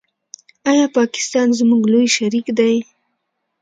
آیا پاکستان زموږ لوی شریک دی؟